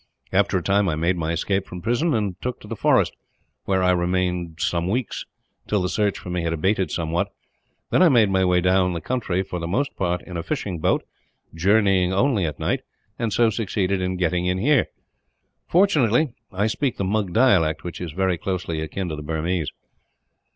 After a time I made my escape from prison, and took to the forest; where I remained some weeks, till the search for me had abated somewhat. Then I made my way down the country, for the most part in a fishing boat, journeying only at night, and so succeeded in getting in here. Fortunately I speak the Mug dialect, which is very closely akin to the Burmese."